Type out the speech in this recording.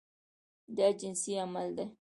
دا جنسي عمل ده.